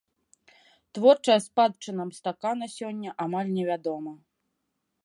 Творчая спадчына мастака на сёння амаль невядома.